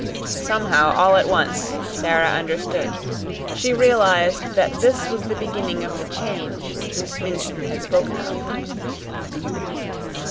Somehow, all at once, Sara understood. She realized that this was the beginning of the change Miss Minchin had spoken of.